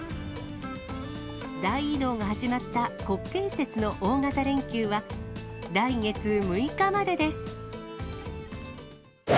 大移動が始まった国慶節の大型連休は、来月６日までです。